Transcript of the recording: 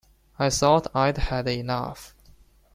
I thought I'd had enough.